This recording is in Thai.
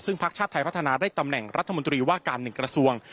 ซึ่งพักชาติไทยพัฒนาได้ตำแหน่งรัฐมนตรีว่าการหนึ่งกระทรวง